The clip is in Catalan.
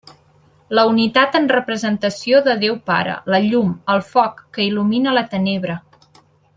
La unitat en representació de Déu Pare: la llum, el foc que il·lumina la tenebra.